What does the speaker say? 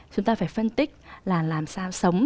chúng ta phải phân tích là làm sao sống